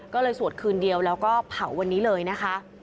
ก็เลยสวดคืนเดียวแล้วก็เผาวันนี้เลยนะคะ